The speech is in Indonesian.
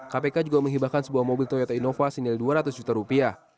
kpk juga menghibahkan sebuah mobil toyota innova senilai dua ratus juta rupiah